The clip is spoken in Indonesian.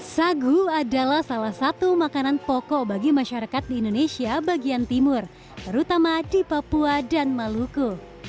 sagu adalah salah satu makanan pokok bagi masyarakat di indonesia bagian timur terutama di papua dan maluku